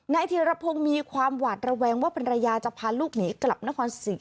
ธีรพงศ์มีความหวาดระแวงว่าภรรยาจะพาลูกหนีกลับนครศรี